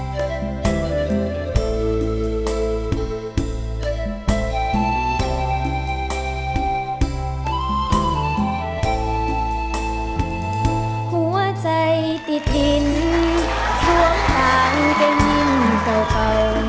หัวใจติดดินทรวมขังใกล้นิ่มเก่า